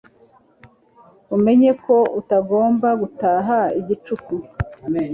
umenye ko utagomba gutaha igicuku